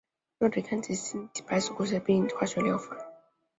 用作抵抗性急性前骨髓性白血病的化学疗法。